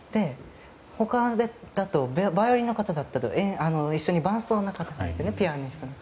他だと、バイオリンの方だったり一緒に伴奏が、ピアニストの。